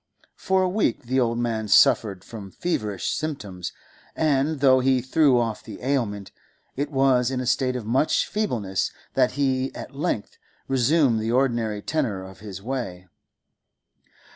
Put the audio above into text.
For a week the old man suffered from feverish symptoms, and, though he threw off the ailment, it was in a state of much feebleness that he at length resumed the ordinary tenor of his way.